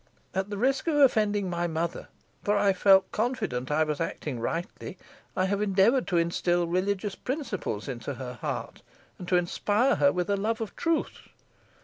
At the risk of offending my mother, for I felt confident I was acting rightly, I have endeavoured to instil religious principles into her heart, and to inspire her with a love of truth.